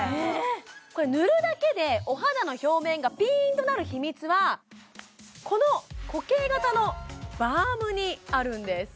これ塗るだけでお肌の表面がピーンとなる秘密はこの固形型のバームにあるんです